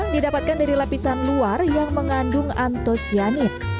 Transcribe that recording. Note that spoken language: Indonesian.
didapatkan dari lapisan luar yang mengandung antosianin